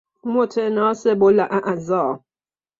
متناسب الاعضاء